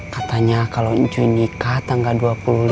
katanya kalau incuy nikah tanggal dua puluh lima